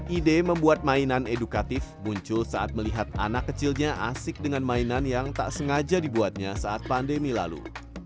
ide membuat mainan edukatif muncul saat melihat anak kecilnya asik dengan mainan yang tak sengaja dibuatnya saat pandemi lalu